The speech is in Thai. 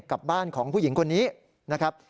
กับบ้านของผู้หญิงคนนี้นะครับ